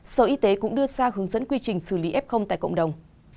sở y tế cũng đưa ra hướng dẫn quy trình xử lý f tại cộng đồng